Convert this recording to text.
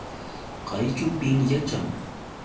¿Kayćhu pim yaćhan?